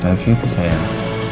i love you tuh sayang